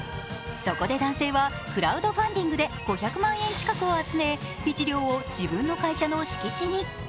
そこで男性はクラウドファンディングで５００万円近くを集め１両を自分の会社の敷地に。